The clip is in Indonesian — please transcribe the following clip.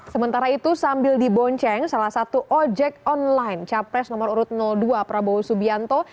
sementara itu sambil dibonceng salah satu ojek online capres nomor urut dua prabowo subianto